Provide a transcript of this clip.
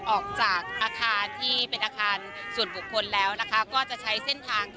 ออกจากอาคารที่เป็นอาคารสูตรบุคคลแล้วนะคะ